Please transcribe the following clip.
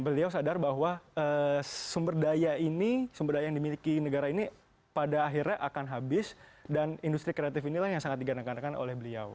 beliau sadar bahwa sumber daya ini sumber daya yang dimiliki negara ini pada akhirnya akan habis dan industri kreatif inilah yang sangat digandang gandakan oleh beliau